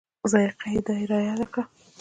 ذایقه یې دای رایاد کړي.